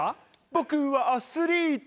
僕はアスリート。